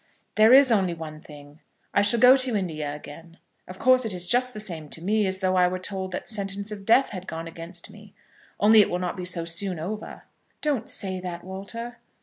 "There is only one thing. I shall go to India again. Of course it is just the same to me as though I were told that sentence of death had gone against me; only it will not be so soon over." "Don't say that, Walter."